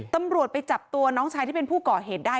ตำรวจไปจับตัวน้องชายที่เป็นผู้ก่อเหตุได้